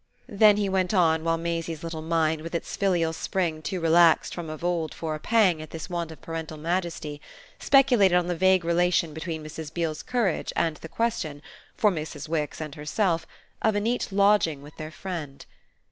Then he went on while Maisie's little mind, with its filial spring too relaxed from of old for a pang at this want of parental majesty, speculated on the vague relation between Mrs. Beale's courage and the question, for Mrs. Wix and herself, of a neat lodging with their friend.